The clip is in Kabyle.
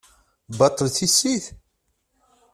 Baṭel tissit?